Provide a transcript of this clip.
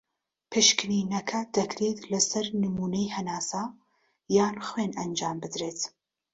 پشکنینەکە دەکرێت لە سەر نمونەی هەناسە یان خوێن ئەنجام بدرێت.